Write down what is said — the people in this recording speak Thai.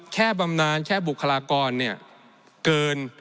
แค่บำนานแค่บุคลากรเกิน